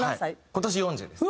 今年４０です。